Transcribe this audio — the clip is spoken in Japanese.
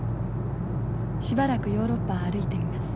しばらくヨーロッパを歩いてみます。